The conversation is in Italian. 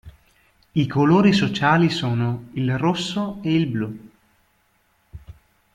I colori sociali sono: il rosso e il blu.